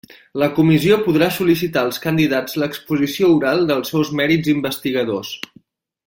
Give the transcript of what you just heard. La Comissió podrà sol·licitar als candidats l'exposició oral dels seus mèrits investigadors.